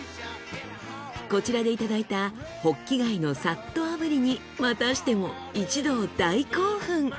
こちらでいただいたほっき貝のさっとあぶりにまたしても一同大興奮。